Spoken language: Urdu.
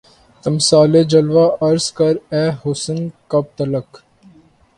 تمثالِ جلوہ عرض کر اے حسن! کب تلک